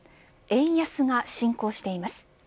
円安が進行しています。